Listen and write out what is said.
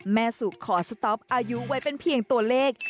แม่สุขอสต๊อปอายุไว้เป็นเพียงตัวเลข